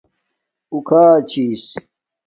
اُو کھا چھس